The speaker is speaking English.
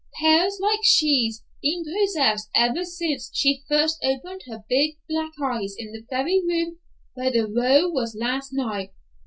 'Pears like she's been possessed ever since she first opened her big black eyes in the very room where the row was last night.